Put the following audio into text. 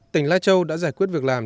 tỉnh lai châu đã giải quyết việc làm